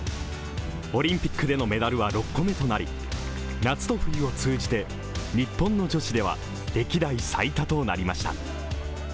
オリンピックでのメダルは６個目となり、夏と冬を通じて日本の女子では歴代最多となりました。